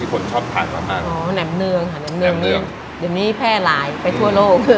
คนชอบทานมากอ๋อแหมเนืองค่ะแหมเนืองเนืองเดี๋ยวนี้แพร่หลายไปทั่วโลก